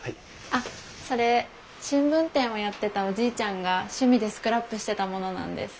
あっそれ新聞店をやってたおじいちゃんが趣味でスクラップしてたものなんです。